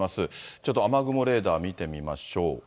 ちょっと雨雲レーダー見てみましょう。